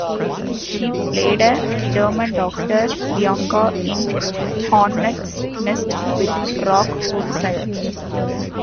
She played a German doctor, Bianca, in "Hornets' Nest" with Rock Hudson.